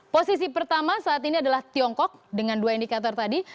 posisi pertama saat ini adalah tiongkok dengan dua indikator tadi